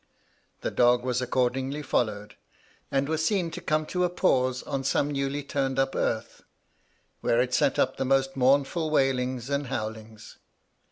The dog was accordingly followed, and was seen to come to a pause on some newly turned up earth, where it set up the most mournful wailings and howlings.